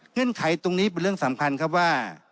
เงื่อนไขตรงนี้เป็นเรื่องสำคัญคือว่า